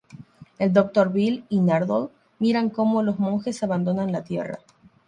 El Doctor, Bill y Nardole miran como los Monjes abandonan la Tierra.